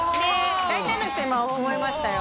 大体の人今思いましたよ